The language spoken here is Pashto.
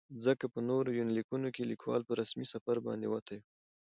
ځکه په نورو يونليکونو کې ليکوال په رسمي سفر باندې وتى و.